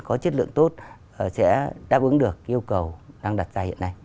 có chất lượng tốt sẽ đáp ứng được yêu cầu đang đặt ra hiện nay